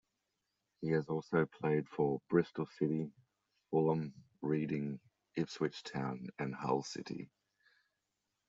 He has also played for Bristol City, Fulham, Reading, Ipswich Town and Hull City.